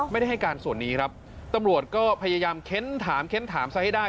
ไม่ได้ให้การส่วนนี้ครับตำรวจก็พยายามเค้นถามเค้นถามซะให้ได้